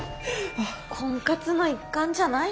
婚活の一環じゃないの？